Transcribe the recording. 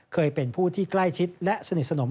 เคยเป็นผู้ที่ใกล้ชิดและสนิทสนม